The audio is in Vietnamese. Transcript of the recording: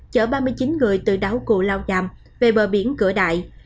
chở ba mươi chín người từ đảo cù lao dạm về bờ biển cửa đại